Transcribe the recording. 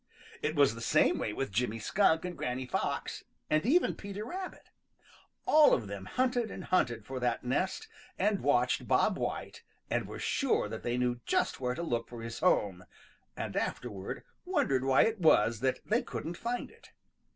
It was the same way with Jimmy Skunk and Granny Fox and even Peter Rabbit. All of them hunted and hunted for that nest and watched Bob White and were sure that they knew just where to look for his home, and afterward wondered why it was that they couldn't find it.